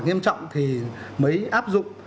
nghiêm trọng thì mới áp dụng